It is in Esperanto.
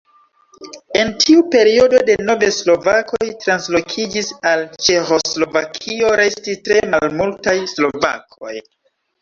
En tiu periodo denove slovakoj translokiĝis al Ĉeĥoslovakio, restis tre malmultaj slovakoj.